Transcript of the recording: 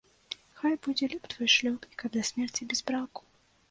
Хай будзе люб твой шлюб і каб да смерці без браку